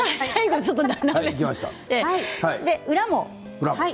裏も。